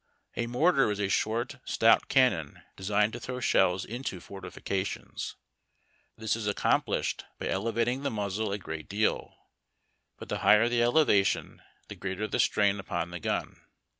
A mortar is a short, stout cannon design ed to throw shells Into fortifications. This is accomplished by ele vating the muzzle a great deal. But the higher the elevation the greater the strain upon the gun.